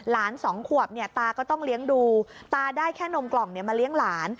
ล้าน๒ขวบตาก็ต้องเลี้ยงดูตาได้แค่นมกล่องรีบมาเลี้ยงล้าน